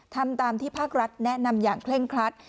ทำตามที่ภาครัฐแนะนำอย่างเคร่งครัด